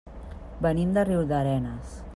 Venim de Riudarenes.